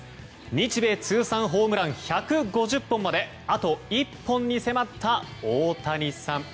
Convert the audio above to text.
日米通算ホームラン１５０本まであと１本に迫った大谷さん。